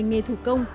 nghề thủ công